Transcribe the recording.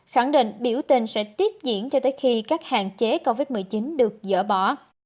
khẳng định biểu tình sẽ tiếp diễn cho tới khi các hạn chế covid một mươi chín được dỡ bỏ